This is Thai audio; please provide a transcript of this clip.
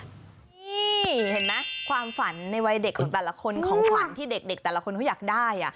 นี่เห็นไหมความฝันในวัยเด็กของแต่ละคนของขวัญที่เด็กแต่ละคนเขาอยากได้